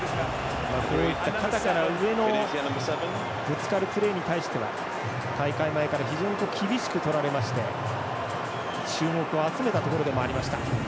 こういった肩から上のぶつかるプレーに対しては大会前から非常に厳しくとられまして注目を集めたところでもありました。